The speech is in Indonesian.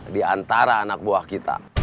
diantara anak buah kita